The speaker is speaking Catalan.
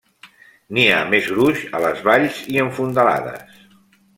N'hi ha més gruix a les valls i en fondalades.